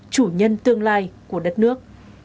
chủ nhân tương lai của đất nước